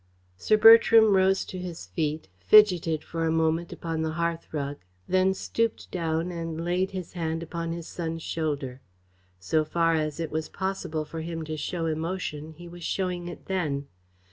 Sir Bertram rose to his feet, fidgeted for a moment upon the hearth rug, then stooped down and laid his hand upon his son's shoulder. So far as it was possible for him to show emotion, he was showing it then.